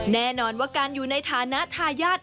แน่นอนว่าการอยู่ในฐานะทายาท